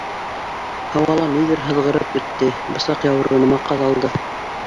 Һауала ниҙер һыҙғырып үтте, бысаҡ яурыныма ҡаҙалды.